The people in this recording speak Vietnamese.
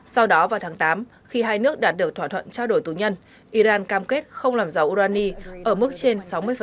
sau đó vào tháng tám khi hai nước đạt được thỏa thuận trao đổi tù nhân iran cam kết không làm dầu urani ở mức trên sáu mươi